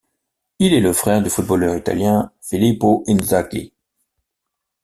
Il est le frère du footballeur italien Filippo Inzaghi.